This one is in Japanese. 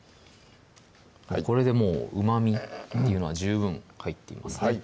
これでもううまみというのは十分入っていますね